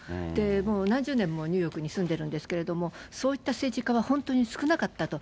もう何十年もニューヨークに住んでるんですけれども、そういった政治家は本当に少なかったと。